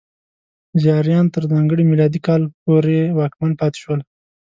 زیاریان تر ځانګړي میلادي کاله پورې واکمن پاتې شول.